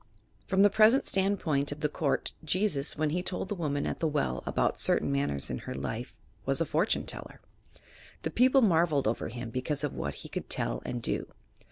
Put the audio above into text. From the present standpoint of the court, Jesus, when he told the woman at the well about certain matters in her life, was a "fortune teller." The people marvelled over Him because of what He could tell and do.